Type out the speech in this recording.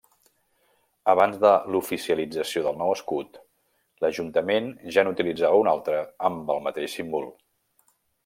Abans de l'oficialització del nou escut, l'Ajuntament ja n'utilitzava un altre amb el mateix símbol.